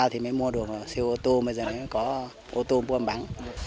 thì mới mua được xe ô tô bây giờ mới có ô tô buôn bán